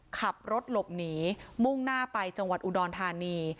ขับรถหลบหนีมุ่งหน้าไปจังหวัดอุดรธานี